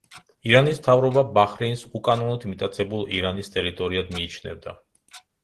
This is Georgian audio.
ირანის მთავრობა ბაჰრეინს უკანონოდ მიტაცებულ ირანის ტერიტორიად მიიჩნევდა.